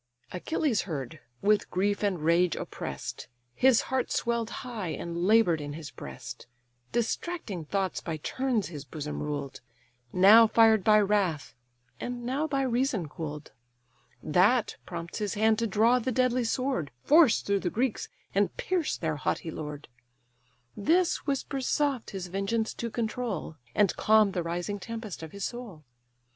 Achilles heard, with grief and rage oppress'd, His heart swell'd high, and labour'd in his breast; Distracting thoughts by turns his bosom ruled; Now fired by wrath, and now by reason cool'd: That prompts his hand to draw the deadly sword, Force through the Greeks, and pierce their haughty lord; This whispers soft his vengeance to control, And calm the rising tempest of his soul.